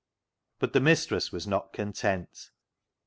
But the mistress was not content.